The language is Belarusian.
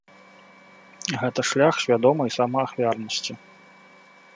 Гэта шлях свядомай самаахвярнасці.